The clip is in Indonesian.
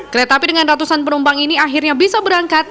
kereta api dengan ratusan penumpang ini akhirnya bisa berangkat